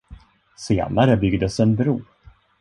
Senare byggdes en bro.